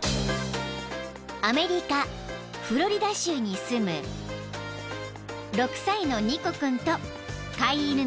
［アメリカフロリダ州に住む６歳のニコ君と飼い犬のシェパードタンク］